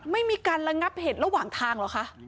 ไม่มีการระงับเหตุระหว่างทางเหรอคะ